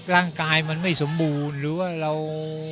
ร่างกายมันไม่สมบูรณ์หรือว่าเรา